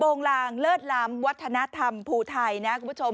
โปรงลางเลิศลำวัฒนธรรมภูทัยนะครับคุณผู้ชม